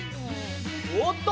おおっと！